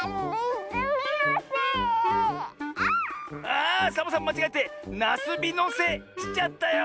あサボさんまちがえて「なすびのせ」しちゃったよ！